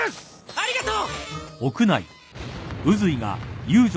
ありがとう！